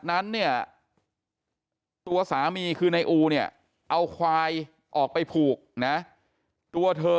นั้นเนี่ยตัวสามีคือนายอูเนี่ยเอาควายออกไปผูกนะตัวเธอ